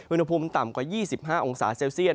อุณหภูมิต่ำกว่า๒๕องศาเซลเซียต